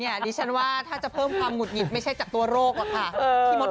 ดิฉันว่าถ้าจะเพิ่มความหุดหงิดไม่ใช่จากตัวโรคหรอกค่ะ